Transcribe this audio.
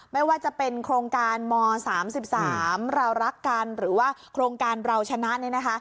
ไม่ว่าจะเป็นโครงการม๓๓เรารักกันหรือว่าโครงการเราชนะ